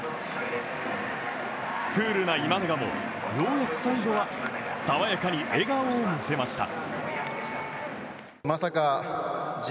クールな今永もようやく最後は爽やかに笑顔を見せました。